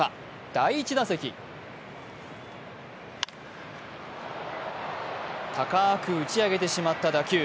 第１打席高く打ち上げてしまった打球。